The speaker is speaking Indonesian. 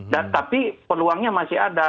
nah tapi peluangnya masih ada